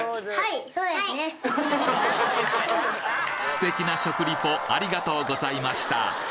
素敵な食リポありがとうございました！